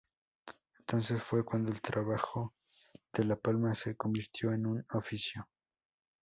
Entonces fue cuando el trabajo de la palma se convirtió en un oficio.